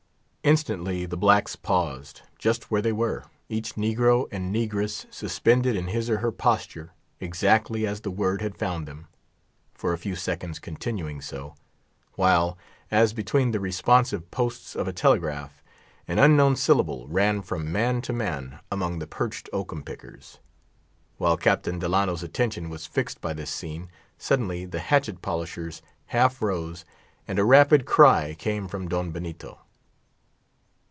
Instantly the blacks paused, just where they were, each negro and negress suspended in his or her posture, exactly as the word had found them—for a few seconds continuing so—while, as between the responsive posts of a telegraph, an unknown syllable ran from man to man among the perched oakum pickers. While the visitor's attention was fixed by this scene, suddenly the hatchet polishers half rose, and a rapid cry came from Don Benito.